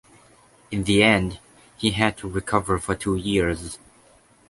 In the end he had to recover for two years.